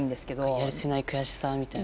やるせない悔しさみたいな。